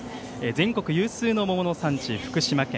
全国有数の桃の産地、福島県。